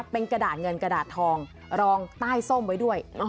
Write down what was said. เป็นกระดาษเงินกระดาษทองรองใต้ส้มไว้ด้วย